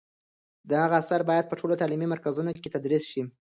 د هغه آثار باید په ټولو تعلیمي مرکزونو کې تدریس شي.